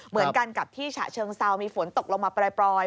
เหมือนกันกับที่ฉะเชิงเซามีฝนตกลงมาปล่อย